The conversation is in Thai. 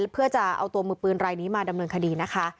เพื่อจะเอาตัวมือปืนรายนี้มาดำเนินคดีนะคะ